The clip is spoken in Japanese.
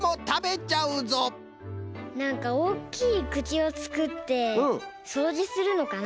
なんかおっきいくちをつくってそうじするのかな？